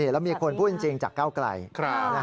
และมีคนพูดจริงจากเก้าไกร